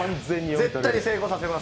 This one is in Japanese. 絶対に成功させます。